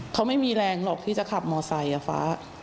เขาไม่มีแรงหรอกที่จะขับมอไซคอะฟ้า